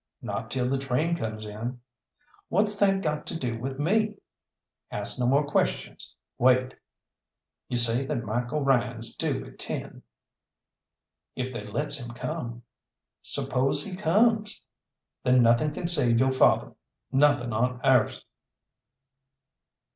"Not till the train comes in." "What's that got to do with me?" "Ask no more questions wait." "You say that Michael Ryan's due at ten?" "If they lets him come." "Suppose he comes?" "Then nothing can save yo' father, nothing on airth."